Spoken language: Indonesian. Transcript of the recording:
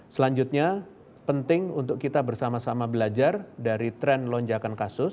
selanjutnya penting untuk kita bersama sama belajar dari tren lonjakan kasus